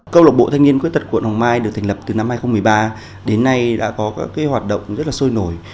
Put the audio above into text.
câu lộc bộ thanh niên khuyết tật quận hoàng mai được thành lập từ năm hai nghìn một mươi ba đến nay đã có các hoạt động rất là sôi nổi